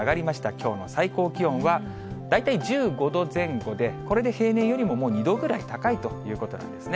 きょうの最高気温は、大体１５度前後で、これで平年よりももう２度ぐらい高いということなんですね。